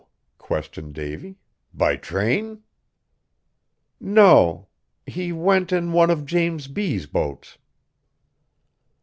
questioned Davy, "by train?" "No! He went in one of James B.'s boats."